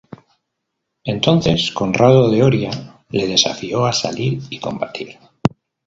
Entonces Conrado de Oria le desafió a salir y combatir.